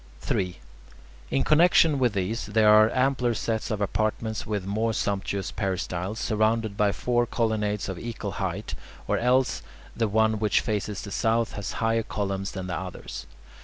3. In connexion with these there are ampler sets of apartments with more sumptuous peristyles, surrounded by four colonnades of equal height, or else the one which faces the south has higher columns than the others.